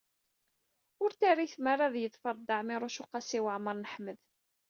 Ur t-terri tmara ad yeḍfer Dda Ɛmiiruc u Qasi Waɛmer n Ḥmed.